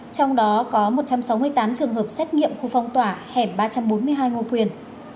trong đó có một trăm sáu mươi tám trường hợp xét nghiệm khu phong tỏa hẻm ba trăm bốn mươi hai ngô quyền